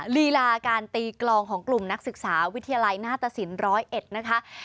ลีลาการตีกลองของกลุ่มนักศึกษาวิทยาลัยหน้าตสิน๑๐๑นะคะ